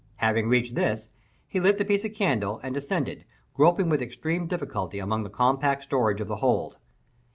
Having reached this, he lit the piece of candle, and descended, groping with extreme difficulty among the compact stowage of the hold.